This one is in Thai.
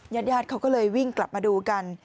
ญาติญาติเขาก็เลยวิ่งกลับมาดูกัน